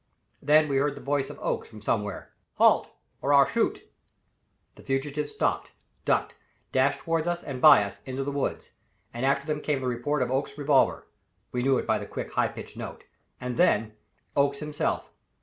Then we heard the voice of Oakes from somewhere: "Halt! or I'll shoot." The fugitives stopped, ducked, dashed toward us and by us, into the woods, and after them came the report of Oakes's revolver we knew it by the quick, high pitched note and then Oakes himself.